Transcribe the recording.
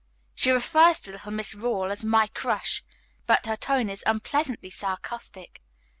She refers to little Miss Rawle as 'my crush,' but her tone is unpleasantly sarcastic.